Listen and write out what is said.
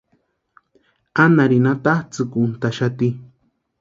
Anarini atatsʼïkuntʼaxati.